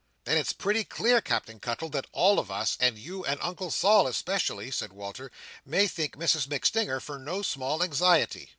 "Then it's pretty clear, Captain Cuttle, that all of us, and you and Uncle Sol especially," said Walter, "may thank Mrs MacStinger for no small anxiety."